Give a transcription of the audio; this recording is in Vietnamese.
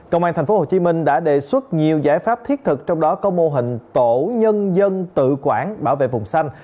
công an thành phố hồ chí minh đã đề xuất nhiều giải pháp thiết thực trong đó có mô hình tổ nhân dân tự quản bảo vệ vùng xanh